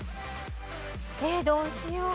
えっどうしよう。